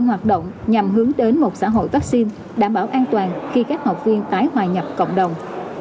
hoạt động nhằm hướng đến một xã hội vaccine đảm bảo an toàn khi các học viên tái hòa nhập cộng đồng